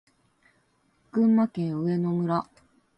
群馬県上野村